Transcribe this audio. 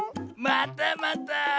またまた！